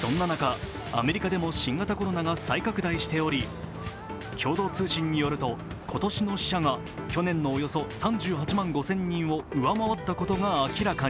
そんな中、アメリカでも新型コロナが再拡大しており共同通信によると、今年の死者が去年のおよそ３８万５０００人を上回ったことが明らかに。